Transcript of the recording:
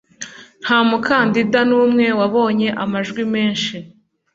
Nta mukandida n'umwe wabonye amajwi menshi.